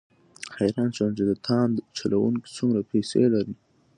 حیران شوم چې د تاند چلوونکي څومره پیسې لري.